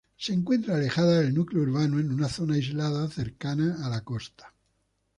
Se encuentra alejada del núcleo urbano, en una zona aislada cercana a la costa.